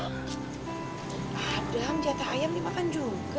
adam jatah ayam nih makan juga